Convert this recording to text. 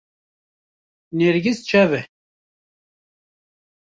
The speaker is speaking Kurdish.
nêrgîz çav e